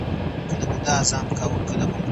چې په سندرو کې مې پېغلې نوم په ورا وايي